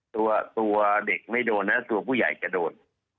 ตัวเด็กไม่โดนนะตัวผู้ใหญ่จะโดน